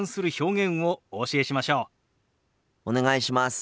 お願いします。